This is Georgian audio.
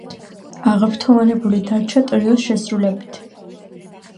აღფრთოვანებული დარჩა ტრიოს შესრულებით.